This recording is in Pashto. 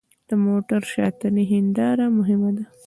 د موټر شاتنۍ هېنداره مهمه ده.